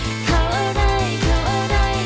เขาอะไรเขาอะไร